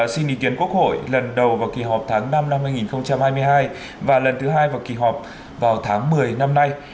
xin ý kiến quốc hội lần đầu vào kỳ họp tháng năm năm hai nghìn hai mươi hai và lần thứ hai vào kỳ họp vào tháng một mươi năm nay